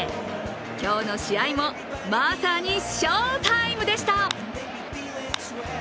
今日の試合も、まさに翔タイムでした。